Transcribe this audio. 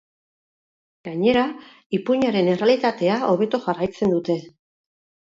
Gainera, ipuinaren errealitatea hobeto jarraitzen dute.